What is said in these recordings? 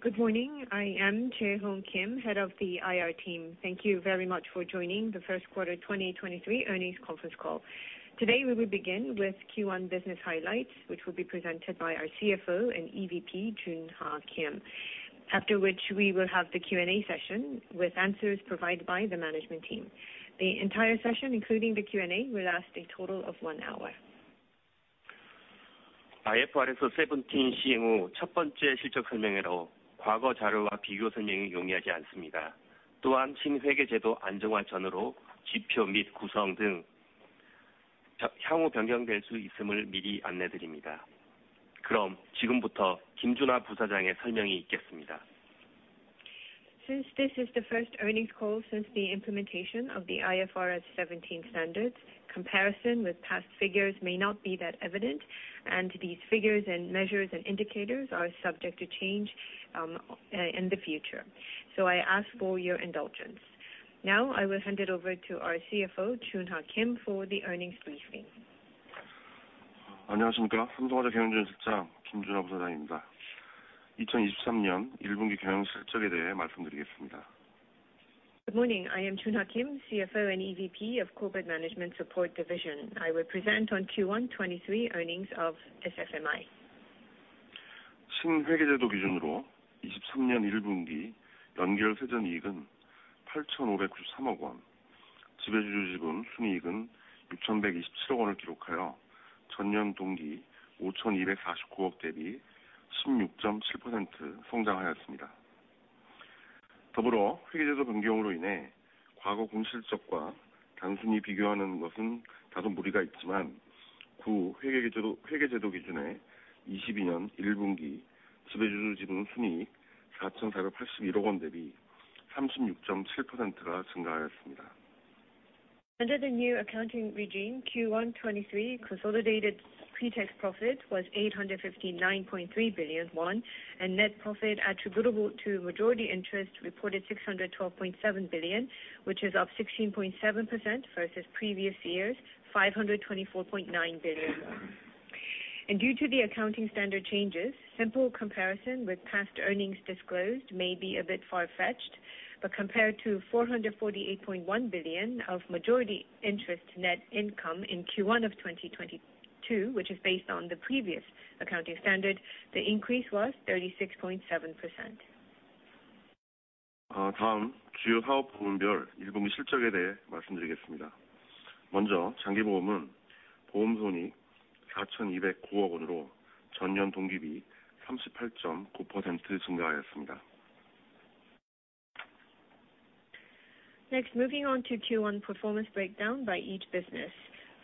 Good morning. I am Jae Hong Kim, Head of the IR Team. Thank you very much for joining the first quarter 2023 earnings conference call. Today, we will begin with Q1 business highlights, which will be presented by our CFO and EVP, Jun Ha Kim, after which we will have the Q&A session with answers provided by the management team. The entire session, including the Q&A, will last a total of one hour. Since this is the first earnings call since the implementation of the IFRS 17 standards, comparison with past figures may not be that evident, and these figures and measures and indicators are subject to change in the future. I ask for your indulgence. I will hand it over to our CFO, Jun Ha Kim, for the earnings briefing. Good morning. I am Jun Ha Kim, CFO and EVP of Corporate Management Support Division. I will present on Q1 2023 earnings of SFMI. Under the new accounting regime, Q1 2023 consolidated pretax profit was 859.3 billion won, net profit attributable to majority interest reported 612.7 billion, which is up 16.7% versus previous year's 524.9 billion won. Due to the accounting standard changes, simple comparison with past earnings disclosed may be a bit far-fetched. Compared to 448.1 billion of majority interest net income in Q1 2022, which is based on the previous accounting standard, the increase was 36.7%. Next, moving on to Q1 performance breakdown by each business.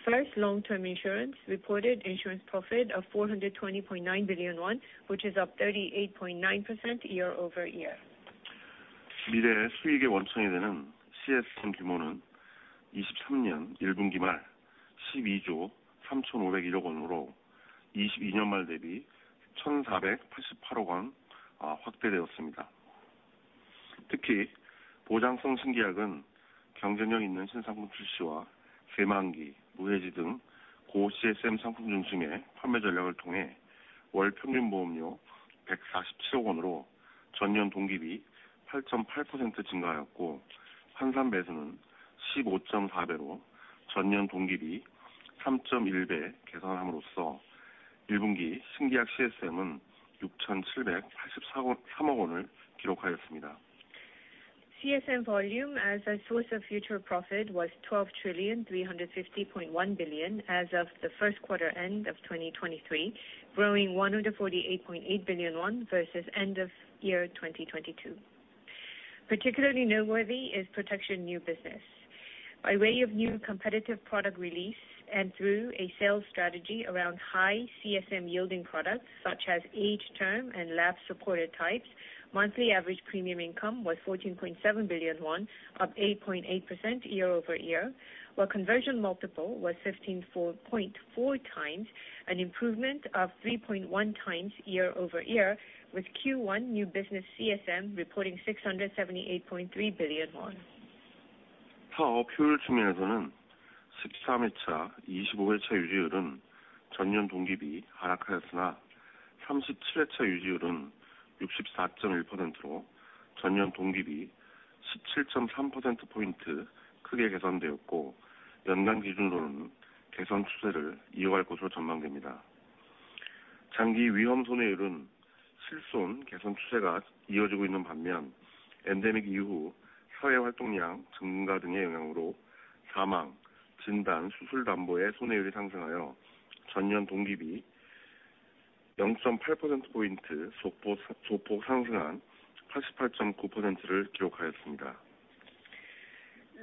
First, long-term insurance reported insurance profit of KRW 420.9 billion, which is up 38.9% year-over-year. CSM volume as a source of future profit was 12,350.1 billion as of the first quarter end of 2023, growing 148.8 billion won versus end of year 2022. Particularly noteworthy is protection new business. By way of new competitive product release and through a sales strategy around high CSM-yielding products, such as age, term, and lapse-supported types, monthly average premium income was KRW 14.7 billion, up 8.8% year-over-year, while conversion multiple was 154.4 times, an improvement of 3.1 times year-over-year, with Q1 new business CSM reporting KRW 678.3 billion.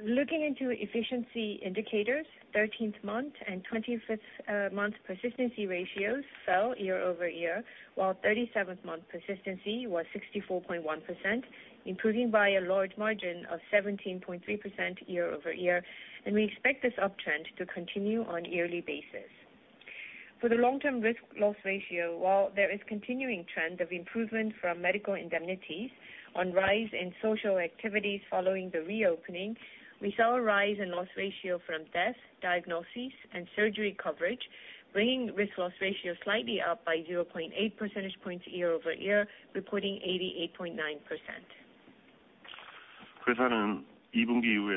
Looking into efficiency indicators, 13th month and 25th month persistency ratios fell year-over-year, while 37th month persistency was 64.1%, improving by a large margin of 17.3% year-over-year. We expect this uptrend to continue on a yearly basis. For the long-term risk loss ratio, while there is continuing trend of improvement from medical indemnity line rise in social activities following the reopening, we saw a rise in loss ratio from death, diagnoses, and surgery coverage, bringing risk loss ratio slightly up by 0.8 percentage points year-over-year, reporting 88.9%. In Q2 and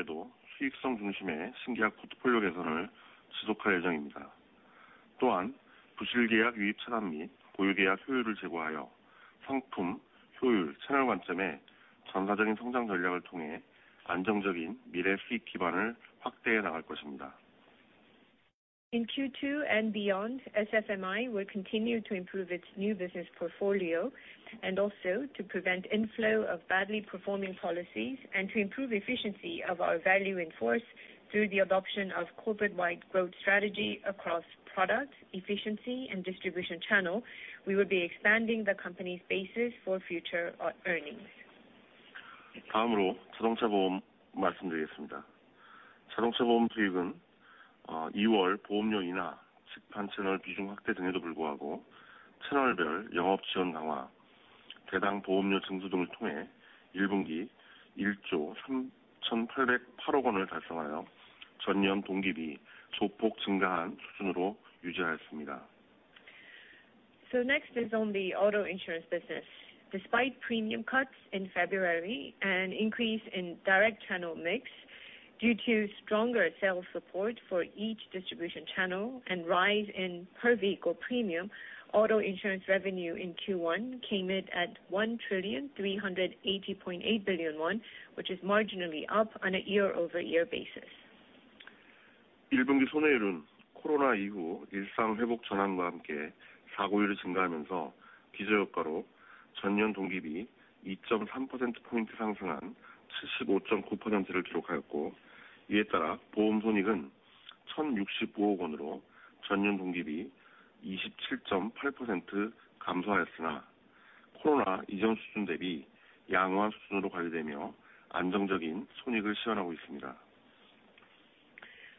beyond, SFMI will continue to improve its new business portfolio and also to prevent inflow of badly performing policies and to improve efficiency of our value in force through the adoption of corporate-wide growth strategy across product, efficiency, and distribution channel. We will be expanding the company's basis for future earnings. Next is on the auto insurance business. Despite premium cuts in February and increase in direct channel mix due to stronger sales support for each distribution channel and rise in per vehicle premium, auto insurance revenue in Q1 came in at KRW 1,388.8 billion, which is marginally up on a year-over-year basis.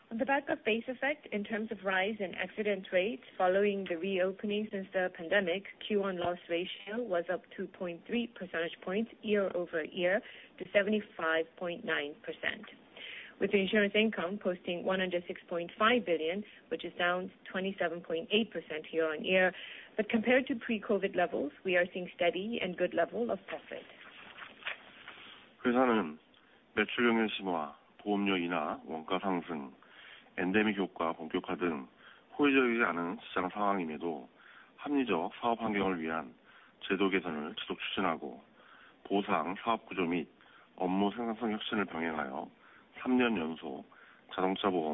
On the back of base effect, in terms of rise in accident rates following the reopening since the pandemic, Q1 loss ratio was up 2.3 percentage points year-over-year to 75.9%, with the insurance income posting 106.5 billion, which is down 27.8% year-on-year. Compared to pre-COVID levels, we are seeing steady and good level of profit.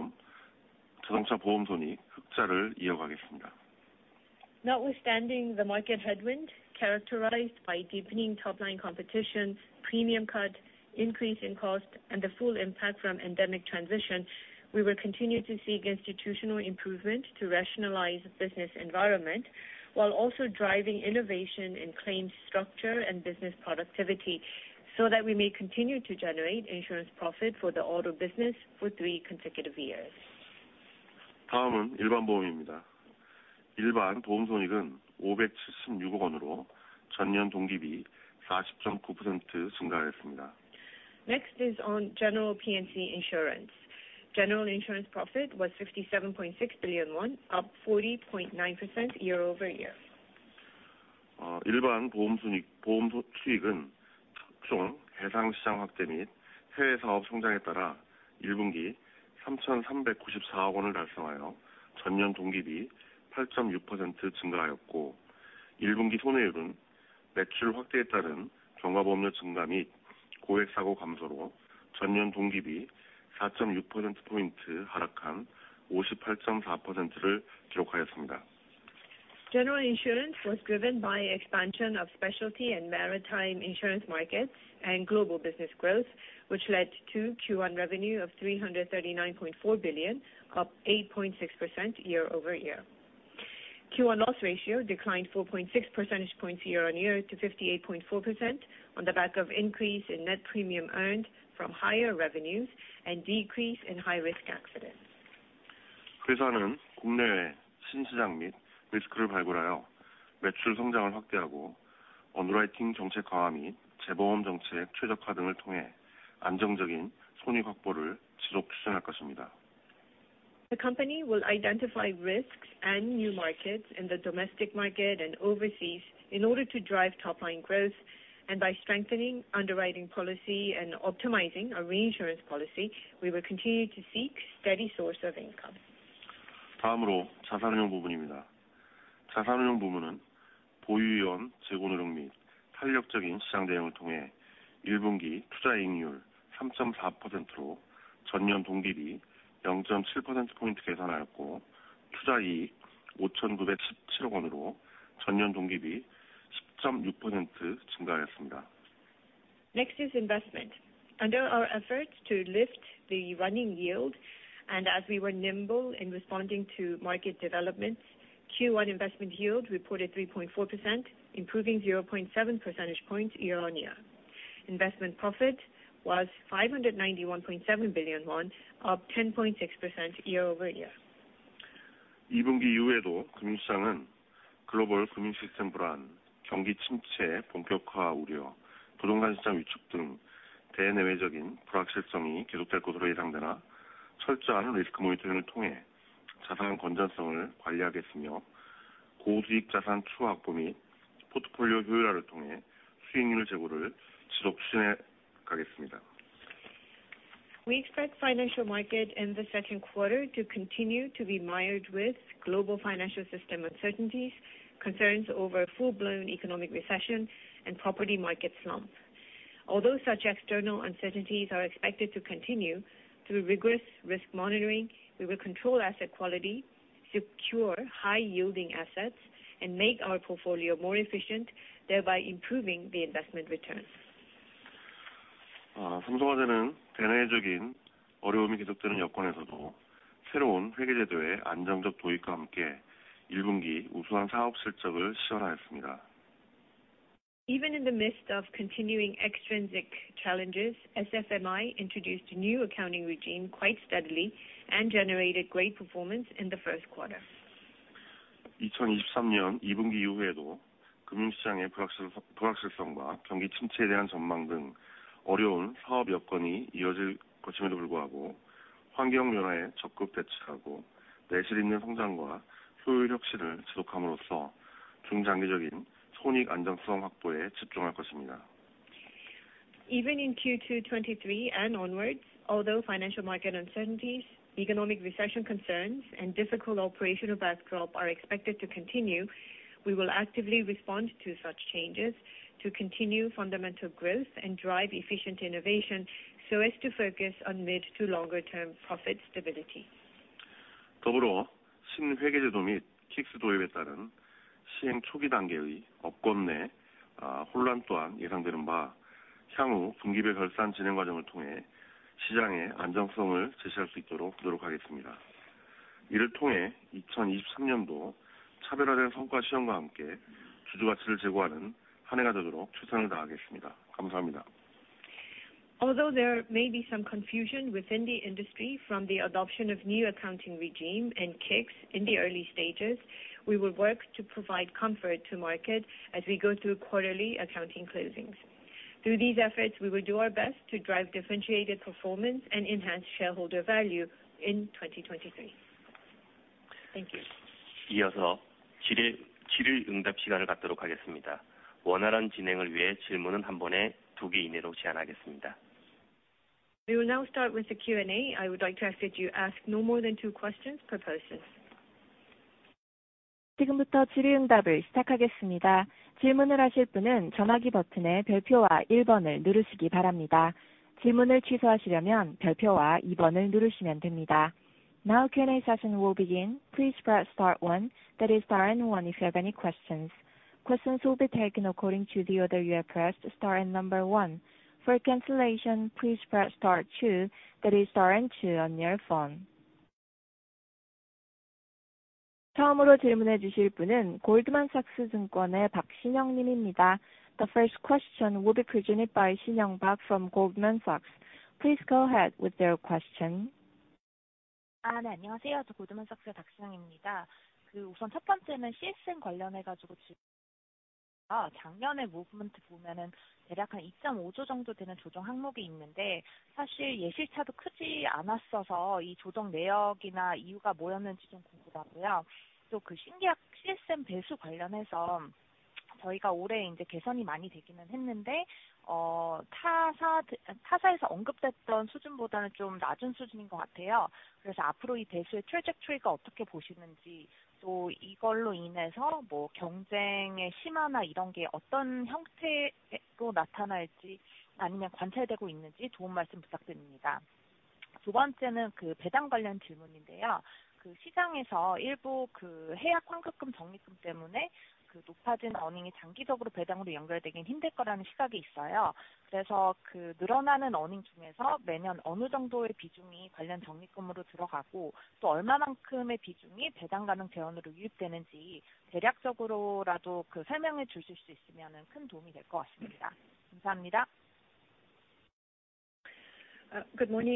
Notwithstanding the market headwind characterized by deepening top line competition, premium cut, increase in cost, and the full impact from endemic transition, we will continue to seek institutional improvement to rationalize business environment while also driving innovation in claims structure and business productivity, so that we may continue to generate insurance profit for the auto business for three consecutive years. Next is on general P&C Insurance. General insurance profit was 57.6 billion won, up 40.9% year-over-year. General insurance was driven by expansion of specialty and maritime insurance markets and global business growth, which led to Q1 revenue of 339.4 billion, up 8.6% year-over-year. Q1 loss ratio declined 4.6 percentage points year-on-year to 58.4% on the back of increase in net premium earned from higher revenues and decrease in high risk accidents. The company will identify risks and new markets in the domestic market and overseas in order to drive top line growth. By strengthening underwriting policy and optimizing our reinsurance policy, we will continue to seek steady source of income. Next is investment. Under our efforts to lift the running yield and as we were nimble in responding to market developments, Q1 investment yield reported 3.4%, improving 0.7 percentage points year-on-year. Investment profit was 591.7 billion won, up 10.6% year-over-year. We expect financial market in the second quarter to continue to be mired with global financial system uncertainties, concerns over full-blown economic recession and property market slump. Although such external uncertainties are expected to continue through rigorous risk monitoring, we will control asset quality, secure high-yielding assets and make our portfolio more efficient, thereby improving the investment returns. Even in the midst of continuing extrinsic challenges, SFMI introduced a new accounting regime quite steadily and generated great performance in the first quarter. Even in Q2 2023 and onwards, although financial market uncertainties, economic recession concerns and difficult operational backdrop are expected to continue, we will actively respond to such changes to continue fundamental growth and drive efficient innovation so as to focus on mid to longer term profit stability. Although there may be some confusion within the industry from the adoption of new accounting regime and KICS in the early stages, we will work to provide comfort to market as we go through quarterly accounting closings. Through these efforts, we will do our best to drive differentiated performance and enhance shareholder value in 2023. Thank you. We will now start with the Q&A. I would like to ask that you ask no more than two questions per person. Now Q&A session will begin. Please press star one, that is star and one, if you have any questions. Questions will be taken according to the order you have pressed star and number one. For cancellation, please press star two, that is star and two on your phone. The first question will be presented by Shin Young Park from Goldman Sachs. Please go ahead with your question. Good morning.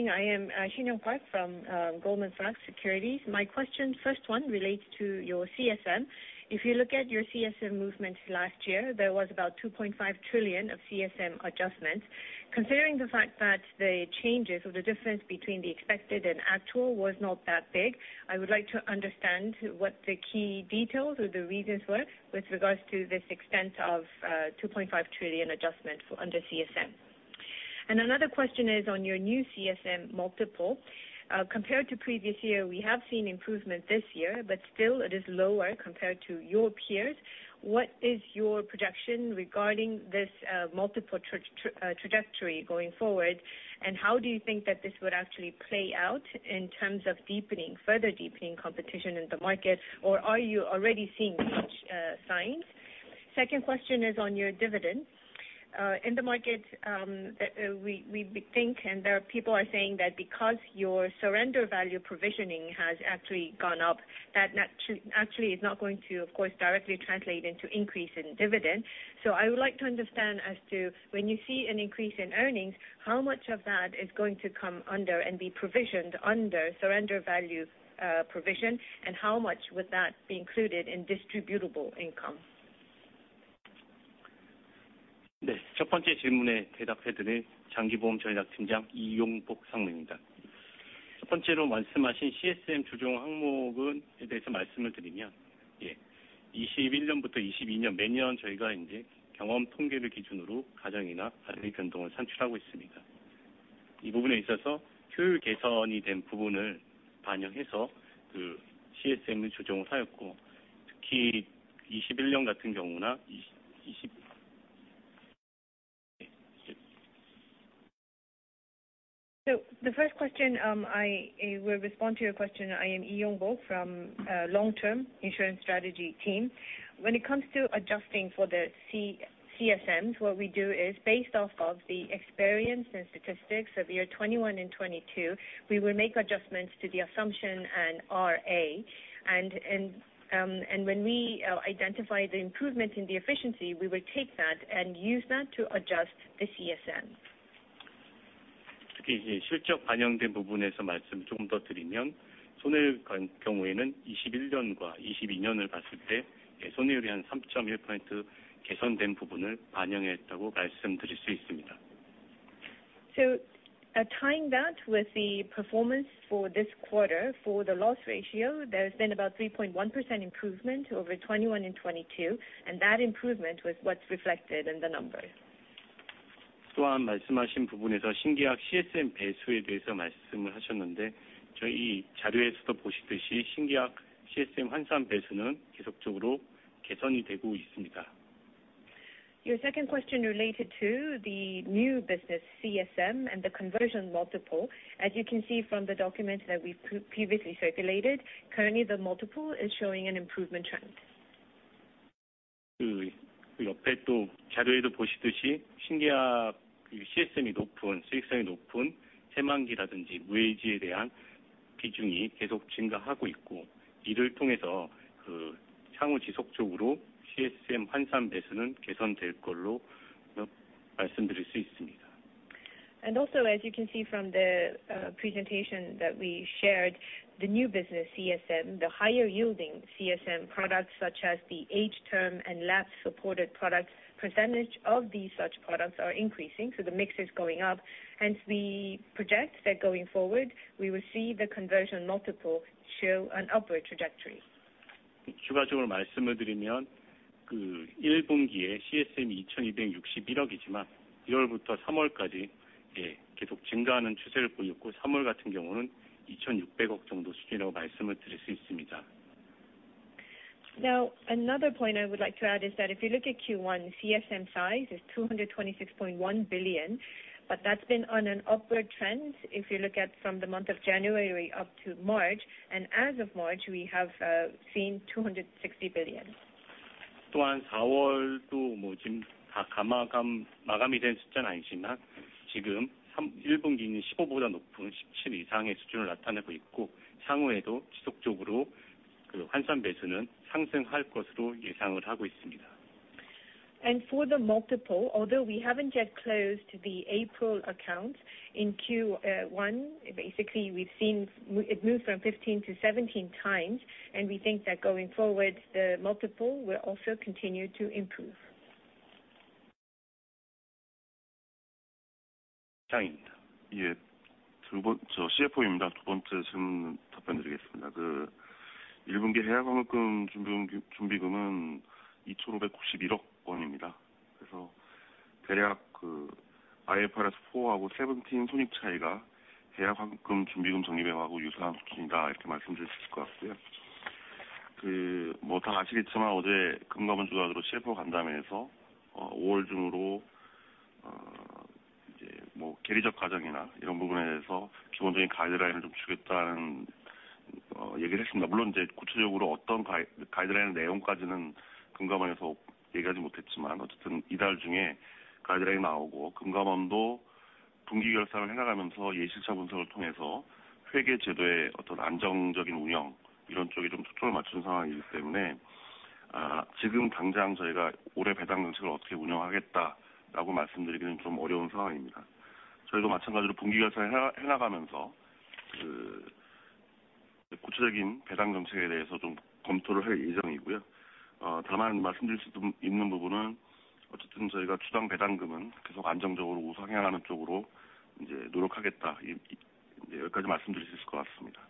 I am Shin Young Park from Goldman Sachs Securities. My question, first one relates to your CSM. If you look at your CSM movements last year, there was about 2.5 trillion of CSM adjustments. Considering the fact that the changes or the difference between the expected and actual was not that big, I would like to understand what the key details or the reasons were with regards to this extent of 2.5 trillion adjustment for under CSM. Another question is on your new CSM multiple. Compared to previous year, we have seen improvement this year, but still it is lower compared to your peers. What is your projection regarding this multiple trajectory going forward? How do you think that this would actually play out in terms of deepening, further deepening competition in the market? Are you already seeing such signs? Second question is on your dividend. In the market, we think, and there are people are saying that because your surrender value provisioning has actually gone up, that not actually is not going to, of course, directly translate into increase in dividend. I would like to understand as to when you see an increase in earnings, how much of that is going to come under and be provisioned under surrender value provision, and how much would that be included in distributable income? 네, 첫 번째 질문에 대답해 드릴 Yong-bok Lee, VP of Long Term Insurance Strategy입니다. 첫 번째로 말씀하신 CSM 조정 항목은, 에 대해서 말씀을 드리면, 예, 2021년부터 2022년 매년 저희가 이제 경험 통계를 기준으로 가정이나 반응의 변동을 산출하고 있습니다. 이 부분에 있어서 효율 개선이 된 부분을 반영해서 그 CSM을 조정을 하였고, 특히 2021년 같은 경우나. The first question, I will respond to your question. I am Yongbok from long-term insurance strategy team. When it comes to adjusting for the CSMs, what we do is based off of the experience and statistics of year 2021 and 2022, we will make adjustments to the assumption and RA. When we identify the improvement in the efficiency, we will take that and use that to adjust the CSM. 특히 이제 실적 반영된 부분에서 말씀을 조금 더 드리면 손해율 경우에는 2021년과 2022년을 봤을 때, 예, 손해율이 한 3.1% 개선된 부분을 반영했다고 말씀드릴 수 있습니다. Tying that with the performance for this quarter, for the loss ratio, there's been about 3.1% improvement over 2021 and 2022, and that improvement was what's reflected in the numbers. 말씀하신 부분에서 신계약 CSM 배수에 대해서 말씀을 하셨는데 저희 자료에서도 보시듯이 신계약 CSM 환산 배수는 계속적으로 개선이 되고 있습니다. Your second question related to the new business CSM and the conversion multiple. You can see from the documents that we've previously circulated, currently the multiple is showing an improvement trend. 그 옆에 또 자료에도 보시듯이 신계약 CSM이 높은, 수익성이 높은 새만기라든지 무해지에 대한 비중이 계속 증가하고 있고, 이를 통해서 그 향후 지속적으로 CSM 환산 배수는 개선될 걸로 말씀드릴 수 있습니다. Also, as you can see from the presentation that we shared, the new business CSM, the higher yielding CSM products, such as the age term and lapse-supported products, % of these such products are increasing, so the mix is going up. We project that going forward, we will see the conversion multiple show an upward trajectory. 추가적으로 말씀을 드리면 그 일분기에 CSM이 이천이백육십일억이지만 일월부터 삼월까지, 예, 계속 증가하는 추세를 보였고 삼월 같은 경우는 이천육백억 정도 수준이라고 말씀을 드릴 수 있습니다. Another point I would like to add is that if you look at Q1, CSM size is 226.1 billion, but that's been on an upward trend if you look at from the month of January up to March. As of March, we have seen 260 billion. 또한 사월도 뭐 지금 다 감마감, 마감이 된 숫자는 아니지만 지금 삼, 일분기는 십오보다 높은 십칠 이상의 수준을 나타내고 있고, 향후에도 지속적으로 그 환산 배수는 상승할 것으로 예상을 하고 있습니다. For the multiple, although we haven't yet closed the April account in Q1, basically we've seen it move from 15x-17x. We think that going forward, the multiple will also continue to improve. 상무입니다. 저 CFO입니다. 두 번째 질문 답변드리겠습니다. 1분기 해약환급금 준비금은 KRW 259.1 billion입니다. 대략 IFRS4하고 IFRS17 손익 차이가 해약환급금 준비금 정리매하고 유사한 수준이다 이렇게 말씀드릴 수 있을 것 같습니다. 다 아시겠지만 어제 FSS 주관으로 CFO 간담회에서 5월 중으로 이제 계리적 과정이나 이런 부분에 대해서 기본적인 가이드라인을 좀 주겠다는 얘기를 했습니다. 물론 이제 구체적으로 어떤 가이드라인 내용까지는 FSS에서 얘기하지 못했지만 어쨌든 이달 중에 가이드라인 나오고 FSS도 분기 결산을 해나가면서 예실차 분석을 통해서 회계 제도에 어떤 안정적인 운영, 이런 쪽에 좀 초점을 맞추는 상황이기 때문에, 지금 당장 저희가 올해 배당 정책을 어떻게 운영하겠다라고 말씀드리기는 좀 어려운 상황입니다. 저희도 마찬가지로 분기 결산을 해나가면서 구체적인 배당 정책에 대해서 좀 검토를 할 예정입니다. 다만 말씀드릴 수 있는 부분은 어쨌든 저희가 추후 당 배당금은 계속 안정적으로 우상향하는 쪽으로 이제 노력하겠다. 이제 여기까지 말씀드릴 수 있을 것 같습니다.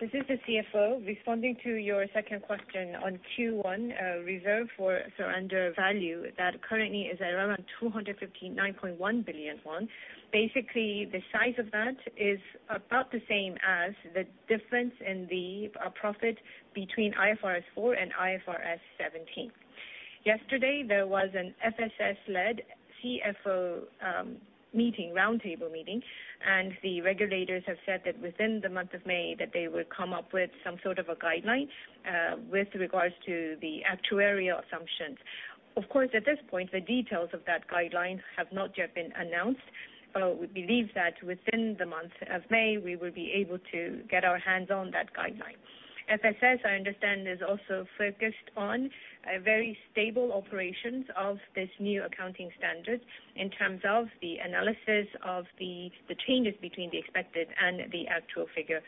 This is the CFO responding to your second question on Q1, reserve for surrender value that currently is around 259.1 billion won. Basically, the size of that is about the same as the difference in the profit between IFRS4 and IFRS17. Yesterday, there was an FSS-led CFO meeting, roundtable meeting. The regulators have said that within the month of May that they will come up with some sort of a guideline with regards to the actuarial assumptions. Of course, at this point, the details of that guideline have not yet been announced. We believe that within the month of May, we will be able to get our hands on that guideline. FSS, I understand, is also focused on a very stable operations of this new accounting standard in terms of the analysis of the changes between the expected and the actual figure,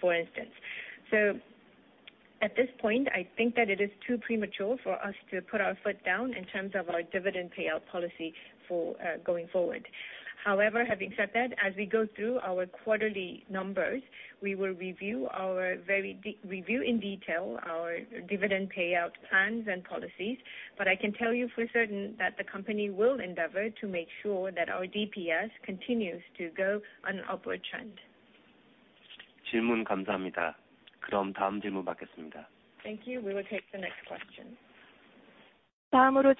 for instance. At this point, I think that it is too premature for us to put our foot down in terms of our dividend payout policy for going forward. Having said that, as we go through our quarterly numbers, we will review in detail our dividend payout plans and policies. I can tell you for certain that the company will endeavor to make sure that our DPS continues to go on an upward trend. Thank you. We will take the next question. The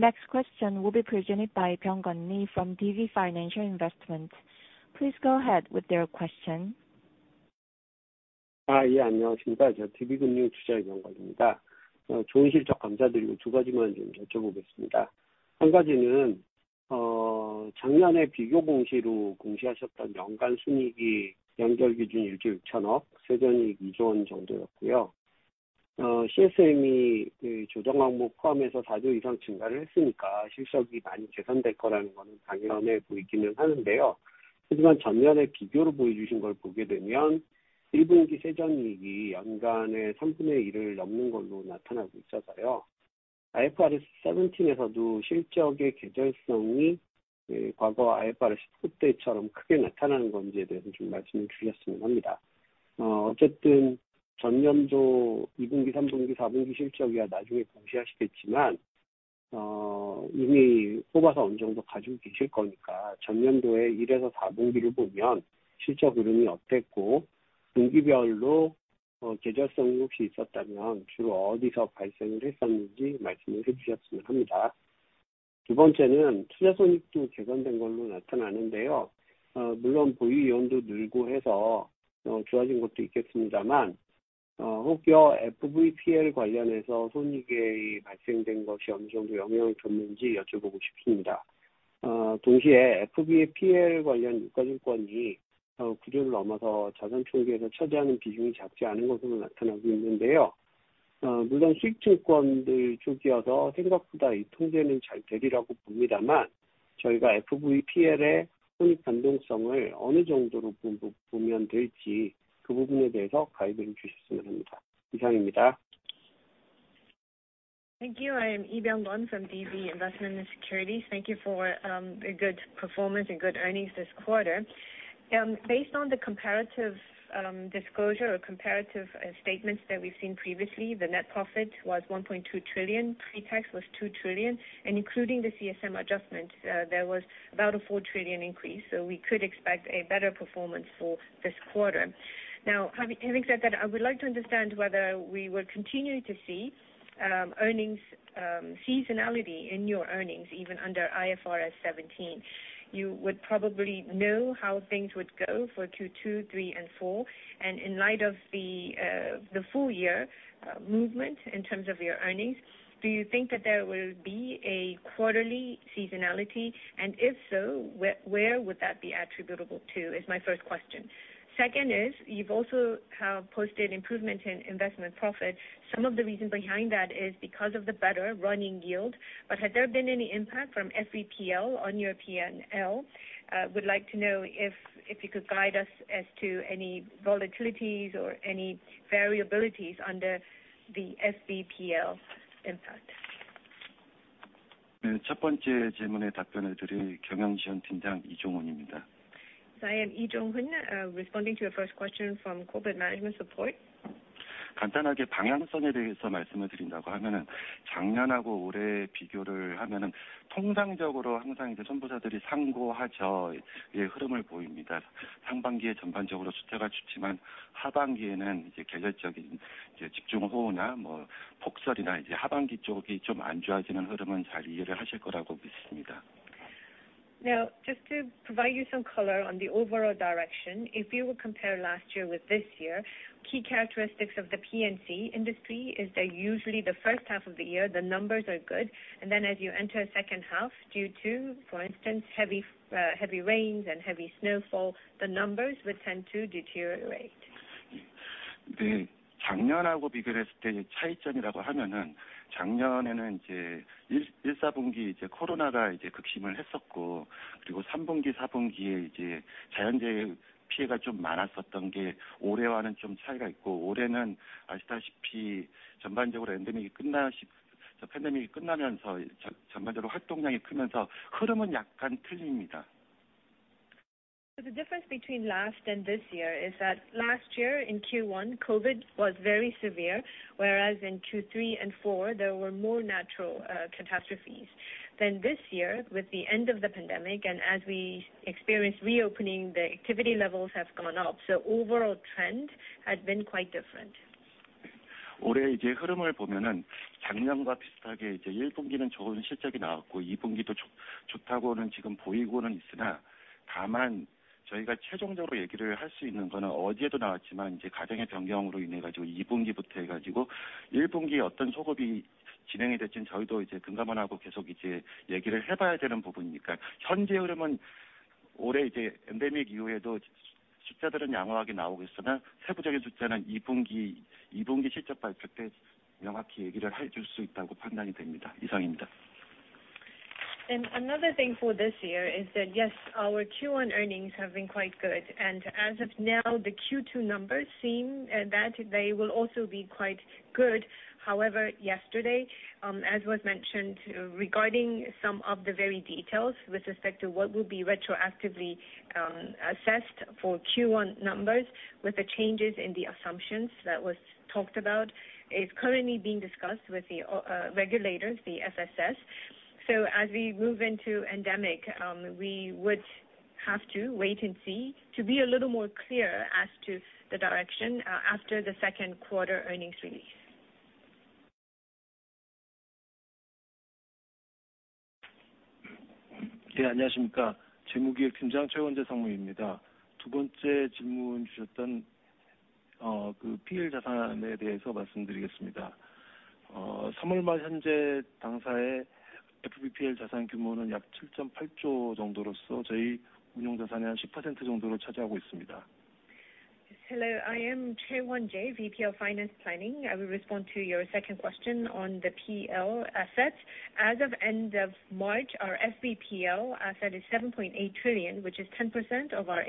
next question will be presented by Byung-gun Lee from DB Financial Investment. Please go ahead with your question. Thank you. I am Lee Byung-gun from DB Investment & Securities. Thank you for a good performance and good earnings this quarter. Based on the comparative disclosure or comparative statements that we've seen previously, the net profit was KRW 1.2 trillion, pretax was KRW 2 trillion, and including the CSM adjustment, there was about a KRW 4 trillion increase, so we could expect a better performance for this quarter. Having said that, I would like to understand whether we will continue to see earnings seasonality in your earnings even under IFRS 17. You would probably know how things would go for Q2, Q3 and Q4. In light of the full year, movement in terms of your earnings, do you think that there will be a quarterly seasonality, and if so, where would that be attributable to, is my first question? Second is you've also have posted improvement in investment profit. Some of the reason behind that is because of the better running yield. Had there been any impact from FVPL on your PNL? Would like to know if you could guide us as to any volatilities or any variabilities under the FVPL impact? I am Lee Jong-hwan, responding to your first question from Corporate Management Support. Just to provide you some color on the overall direction, if you will compare last year with this year, key characteristics of the P&C industry is that usually the first half of the year, the numbers are good, and then as you enter second half, due to, for instance, heavy rains and heavy snowfall, the numbers would tend to deteriorate. The difference between last and this year is that last year in Q one, COVID was very severe, whereas in Q three and four there were more natural catastrophes. This year, with the end of the pandemic and as we experience reopening, the activity levels have gone up. Overall trend has been quite different. Another thing for this year is that, yes, our Q1 earnings have been quite good. As of now, the Q2 numbers seem that they will also be quite good. However, yesterday, as was mentioned regarding some of the very details with respect to what will be retroactively assessed for Q1 numbers with the changes in the assumptions that was talked about, is currently being discussed with the regulators, the FSS. As we move into endemic, we would have to wait and see to be a little more clear as to the direction after the second quarter earnings release. Hello, I am Won-jae Choi, VP of Finance Planning. I will respond to your second question on the PL assets. As of end of March, our FVPL asset is 7.8 trillion, which is 10% of our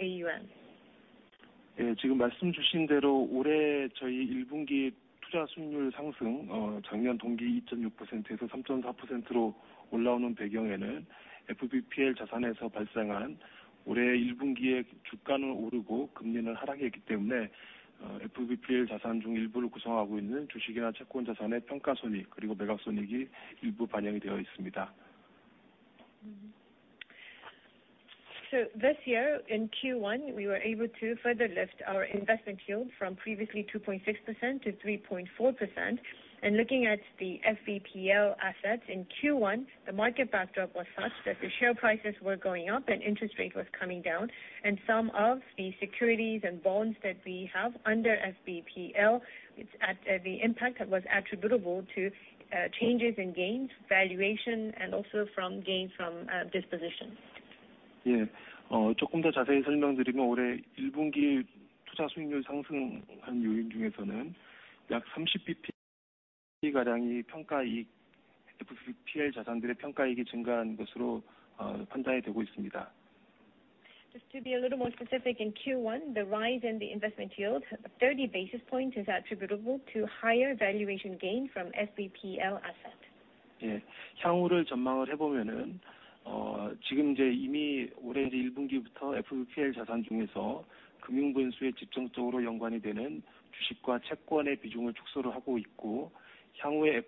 AUM. This year in Q1, we were able to further lift our investment yield from previously 2.6% to 3.4%. Looking at the FVPL assets in Q1, the market backdrop was such that the share prices were going up and interest rate was coming down. Some of the securities and bonds that we have under FVPL, it's at the impact that was attributable to changes in gains, valuation and also from gains from disposition. Just to be a little more specific, in Q1, the rise in the investment yield of 30 basis points is attributable to higher valuation gain from FVPL assets. In terms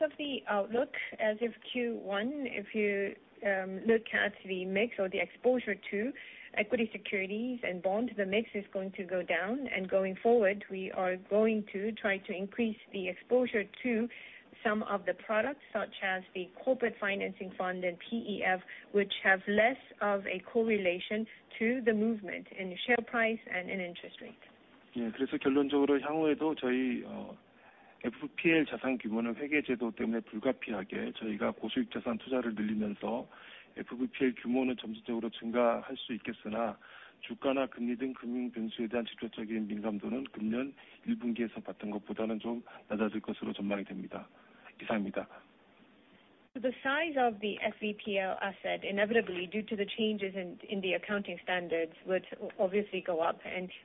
of the outlook, as of Q1, if you look at the mix or the exposure to equity securities and bonds, the mix is going to go down. Going forward, we are going to try to increase the exposure to some of the products, such as the corporate financing fund and PEF, which have less of a correlation to the movement in share price and in interest rate. The size of the FVPL asset, inevitably due to the changes in the accounting standards, would obviously go up.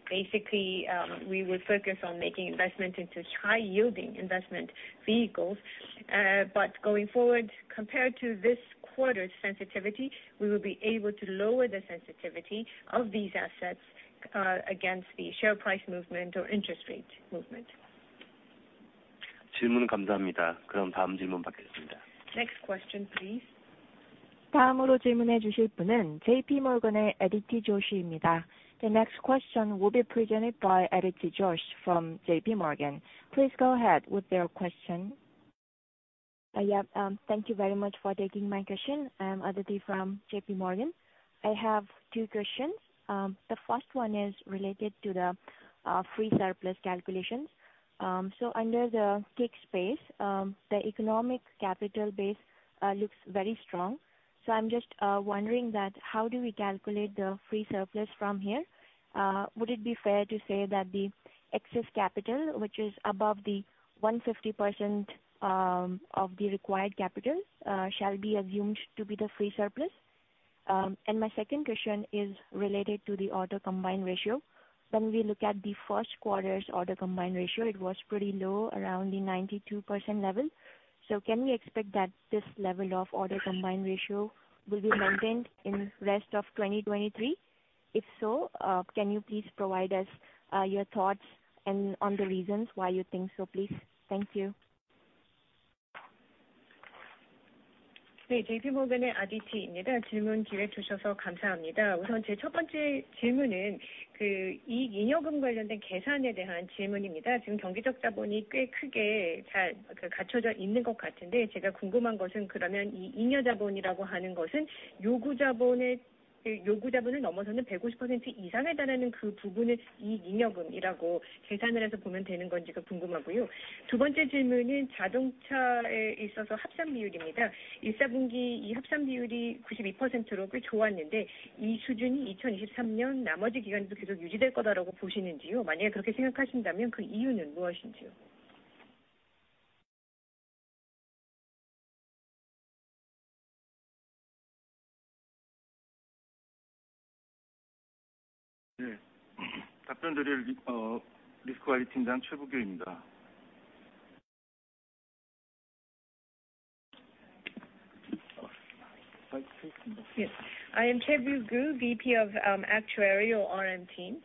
Basically, we would focus on making investment into high yielding investment vehicles. Going forward, compared to this quarter's sensitivity, we will be able to lower the sensitivity of these assets against the share price movement or interest rate movement. Next question, please. The next question will be presented by Aditi Joshi from J.P. Morgan. Please go ahead with your question. Yeah. Thank you very much for taking my question. Aditi from JPMorgan. I have two questions. The first one is related to the free surplus calculations. Under the KICS space, the economic capital base looks very strong. I'm just wondering that how do we calculate the free surplus from here? Would it be fair to say that the excess capital, which is above the 150%, of the required capital, shall be assumed to be the free surplus? My second question is related to the auto combined ratio. When we look at the first quarter's auto combined ratio, it was pretty low, around the 92% level. Can we expect that this level of auto combined ratio will be maintained in rest of 2023? If so, can you please provide us, your thoughts and on the reasons why you think so, please? Thank you. Yes. I am Choi Byung-goo, VP of Actuary or RM team.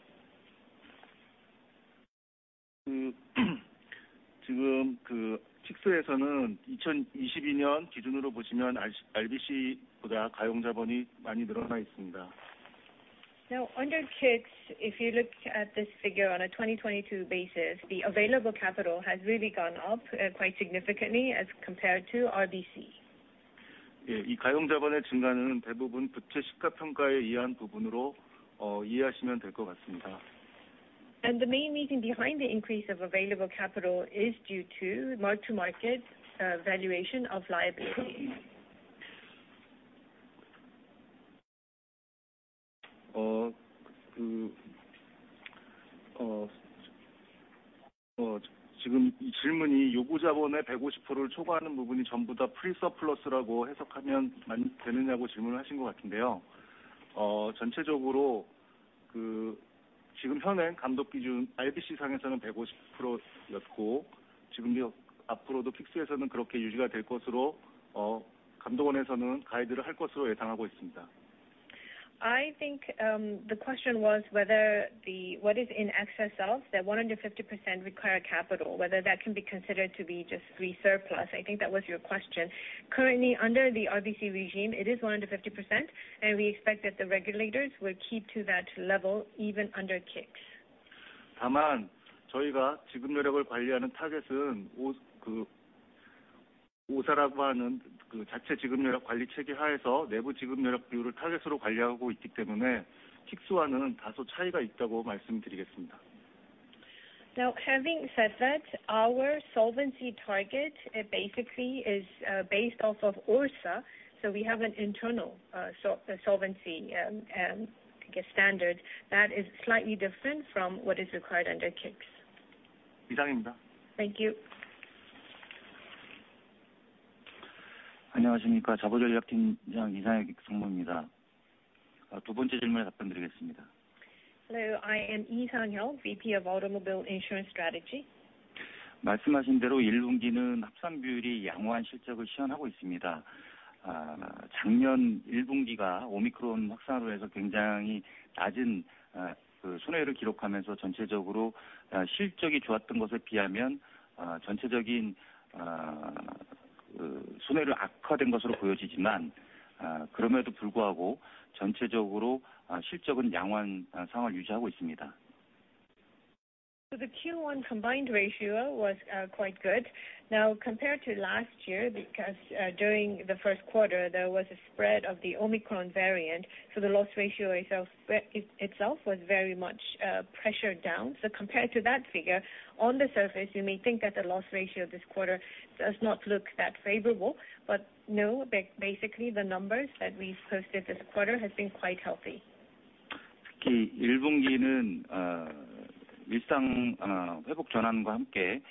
Under KICS, if you look at this figure on a 2022 basis, the available capital has really gone up quite significantly as compared to RBC. The main reason behind the increase of available capital is due to mark-to-market valuation of liabilities. I think the question was whether the, what is in excess of that 150% require capital, whether that can be considered to be just free surplus. I think that was your question. Currently, under the RBC regime, it is 150%, and we expect that the regulators will keep to that level even under KICS. Having said that, our solvency target basically is based off of ORSA. We have an internal solvency, I guess standard that is slightly different from what is required under KICS. Thank you. Hello, I am Lee Sang-hyoun, VP of Automobile Insurance Strategy. The Q1 combined ratio was quite good.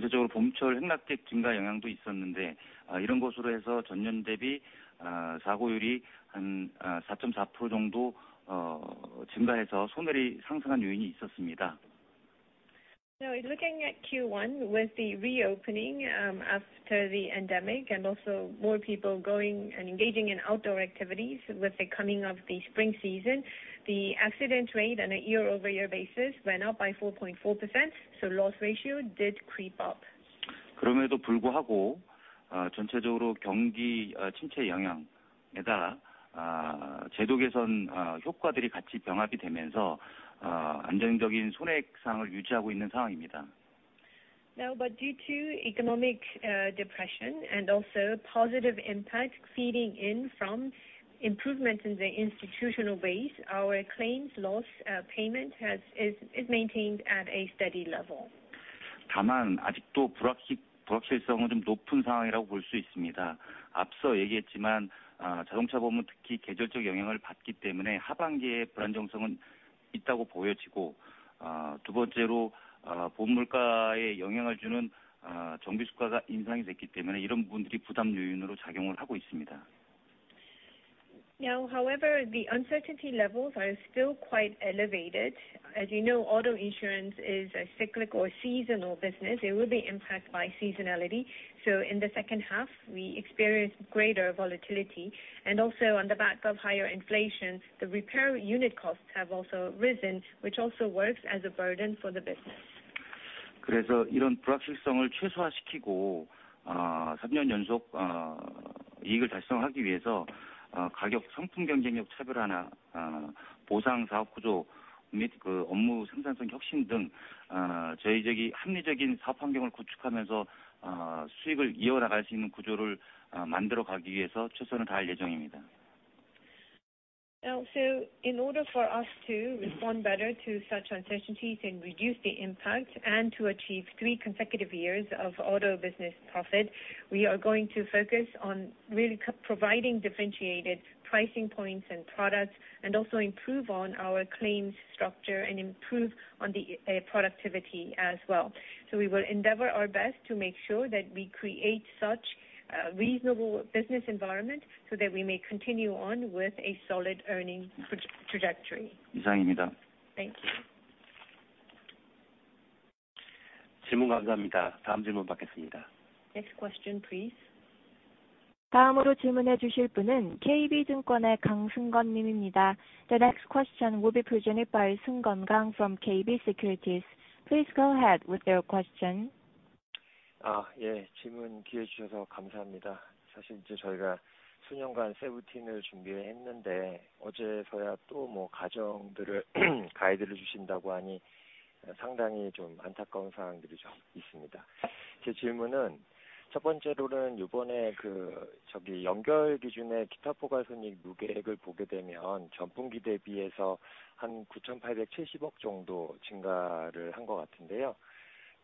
Compared to last year because during the first quarter, there was a spread of the Omicron variant, the loss ratio itself was very much pressured down. Compared to that figure, on the surface, you may think that the loss ratio this quarter does not look that favorable, but no, basically, the numbers that we've posted this quarter has been quite healthy. In looking at Q1 with the reopening after the pandemic and also more people going and engaging in outdoor activities with the coming of the spring season, the accident rate on a year-over-year basis went up by 4.4%. Loss ratio did creep up. Due to economic depression and also positive impact feeding in from improvement in the institutional base, our claims loss payment is maintained at a steady level. However, the uncertainty levels are still quite elevated. As you know, auto insurance is a cyclic or seasonal business. It will be impacted by seasonality. In the second half, we experience greater volatility. On the back of higher inflation, the repair unit costs have also risen, which also works as a burden for the business. In order for us to respond better to such uncertainties and reduce the impact and to achieve three consecutive years of auto business profit, we are going to focus on really providing differentiated pricing points and products and also improve on our claims structure and improve on the productivity as well. We will endeavor our best to make sure that we create such reasonable business environment so that we may continue on with a solid earning trajectory. Thank you. Next question, please. The next question will be presented by Seung-gun Kang from KB Securities. Please go ahead with your question. Yes, we've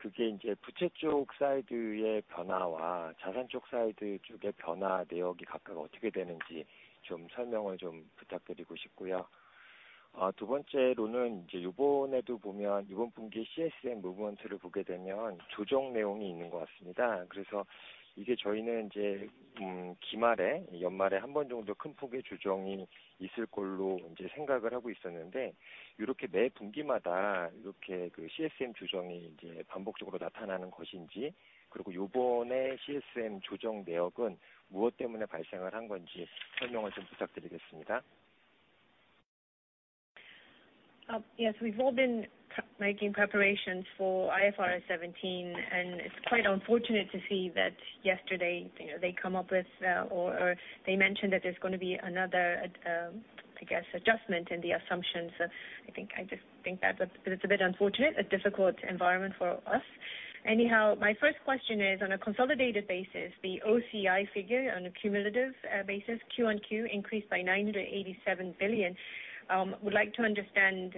all been pre-making preparations for IFRS 17, and it's quite unfortunate to see that yesterday, you know, they come up with or they mentioned that there's gonna be another adjustment in the assumptions. I just think that's a bit unfortunate, a difficult environment for us. Anyhow, my first question is on a consolidated basis, the OCI figure on a cumulative basis, Q on Q increased by 987 billion. Would like to understand,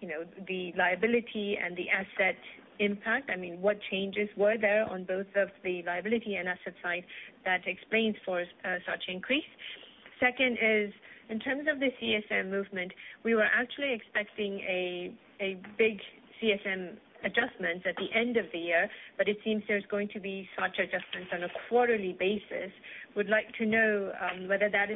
you know, the liability and the asset impact. I mean, what changes were there on both of the liability and asset side that explains for such increase? Second is in terms of the CSM movement, we were actually expecting a big CSM adjustment at the end of the year. It seems there's going to be such adjustments on a quarterly basis. Would like to know whether that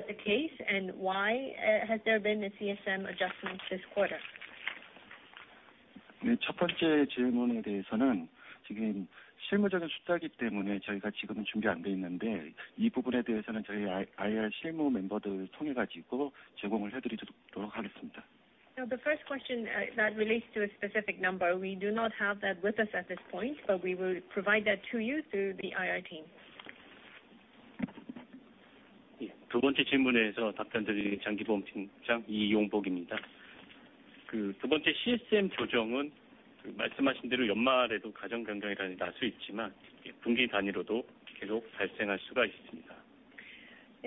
is the case and why has there been a CSM adjustment this quarter? The first question that relates to a specific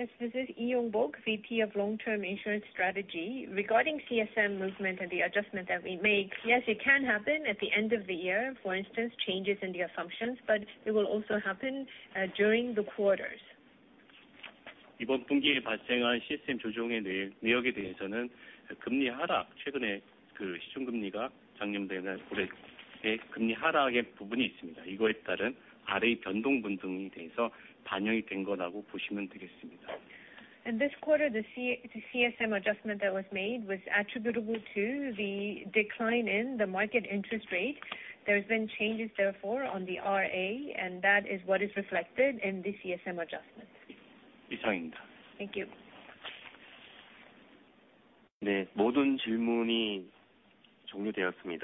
number. We do not have that with us at this point. We will provide that to you through the IR team. Yes. This is Yong Bok Lee, VP of Long Term Insurance Strategy. Regarding CSM movement and the adjustment that we make, yes, it can happen at the end of the year, for instance, changes in the assumptions. It will also happen during the quarters. This quarter, the CSM adjustment that was made was attributable to the decline in the market interest rate. There's been changes therefore on the RA, and that is what is reflected in the CSM adjustment. Thank you. Well, that brings us to the end of the Q&A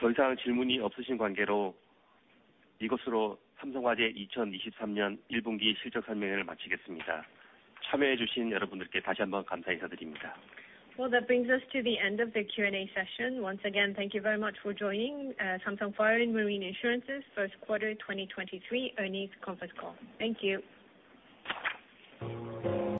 session. Once again, thank you very much for joining Samsung Fire & Marine Insurance's first quarter 2023 earnings conference call. Thank you.